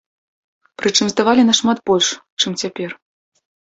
Прычым здавалі нашмат больш, чым цяпер.